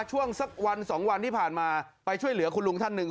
ช่วงสักวันสองวันที่ผ่านมาไปช่วยเหลือคุณลุงท่านหนึ่ง